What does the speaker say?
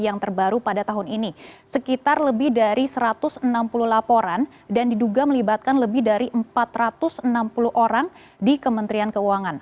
yang terbaru pada tahun ini sekitar lebih dari satu ratus enam puluh laporan dan diduga melibatkan lebih dari empat ratus enam puluh orang di kementerian keuangan